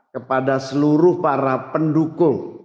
kepada seluruh para pendukung